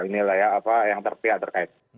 nilai apa yang terpihak terkait